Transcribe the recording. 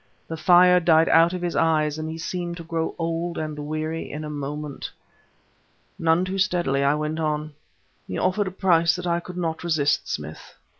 The fire died out of his eyes and he seemed to grow old and weary in a moment. None too steadily I went on: "He offered a price that I could not resist, Smith.